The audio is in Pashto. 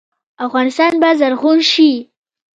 افغانستان به زرغون شي.